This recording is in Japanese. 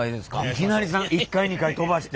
いきなり３階１階２階飛ばして。